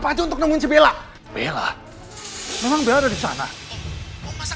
aduh aku cepat angkat tangan tuan